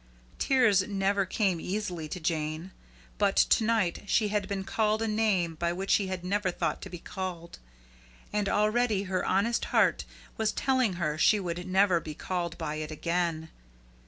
Tears never came easily to Jane. But to night she had been called a name by which she had never thought to be called; and already her honest heart was telling her she would never be called by it again.